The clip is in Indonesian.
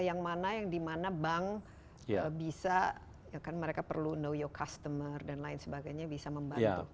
yang mana yang dimana bank bisa ya kan mereka perlu know your customer dan lain sebagainya bisa membantu